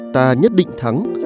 ta nhất định thắng